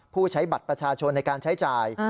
ผู้ใช้บัตรประชาชนในการใช้จ่าย